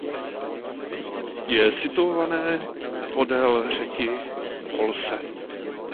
Je situované podél řeky Oise.